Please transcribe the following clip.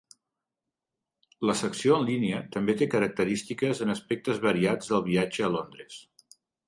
La secció en línia també té característiques en aspectes variats del viatge a Londres.